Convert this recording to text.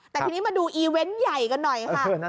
แต่ทีนี้มาดูอีเวนต์ใหญ่กันหน่อยค่ะ